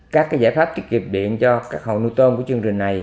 các giải pháp tiết kiệm điện cho các hộ nuôi tôm của chương trình này